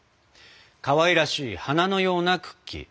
かわいらしい花のようなクッキー。